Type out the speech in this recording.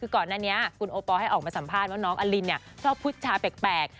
ก่อนอันนี้คุณโอปอร์กลงมาสัมภาษณ์ว่าน้องอลินชอบพุชชาแปลก